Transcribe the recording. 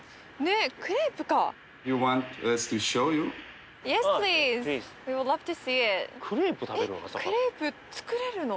えっクレープ作れるの？